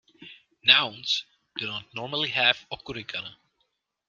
Nouns do not normally have okurigana.